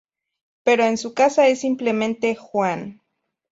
Pero en su casa es simplemente Juan.